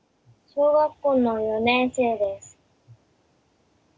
小学校の４年生です。